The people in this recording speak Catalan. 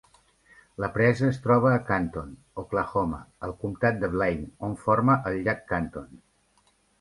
La presa es troba a Canton, Oklahoma, al comtat de Blaine, on forma el Llac Canton.